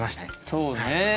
そうね。